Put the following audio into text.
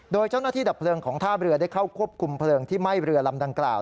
โดยเจ้าหน้าที่ดับเพลิงของท่าเรือได้เข้าควบคุมเพลิงที่ไหม้เรือลำดังกล่าว